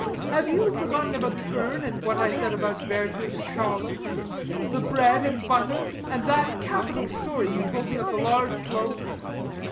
Have you forgotten about the urn, and what I said about Werter's Charlotte, and the bread and butter, and that capital story you told of the large loaf.